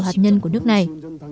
hạt nhân của nước này